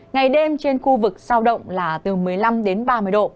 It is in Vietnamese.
ngày đêm trên khu vực sao động là từ một mươi năm đến ba mươi độ